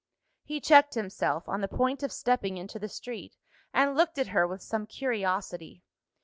He checked himself, on the point of stepping into the street, and looked at her with some curiosity.